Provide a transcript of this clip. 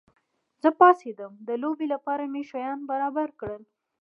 زه پاڅېدم، د لوبې لپاره مې شیان برابر کړل.